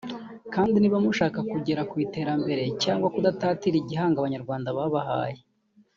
kandi niba mushaka kugera ku iterambere cyangwa kudatatira igihango Abanyarwanda babahaye